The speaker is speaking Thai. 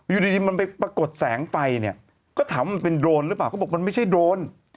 อยู่ดีมันไปปรากฏแสงไฟเนี่ยก็ถามว่ามันเป็นโรนหรือเปล่าเขาบอกมันไม่ใช่โดรน